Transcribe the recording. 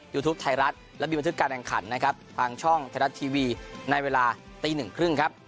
ทุกไทยรัฐและมีบันทึกการแข่งขันนะครับทางช่องไทยรัฐทีวีในเวลาตีหนึ่งครึ่งครับ